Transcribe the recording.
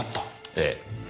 ええ。